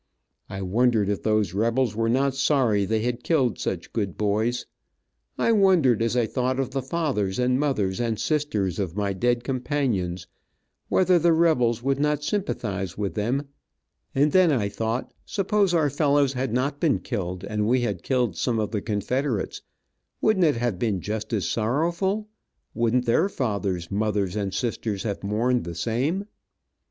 I wondered if those rebels were not sorry they had killed such good boys. I wondered, as I thought of the fathers and mothers, and sisters of my dead companions, whether the rebels would not sympathize with them, and then I thought suppose our fellows had not been killed, and we had killed some of the Confederates, wouldn't it have been just as sorrowful, wouldn't their fathers, mothers and sisters have mourned the same.